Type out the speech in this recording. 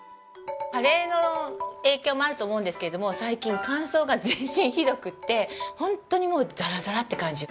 加齢の影響もあると思うんですけれども最近乾燥が全身ひどくってホントにもうザラザラって感じ。